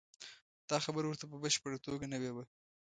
دا خبره ورته په بشپړه توګه نوې وه.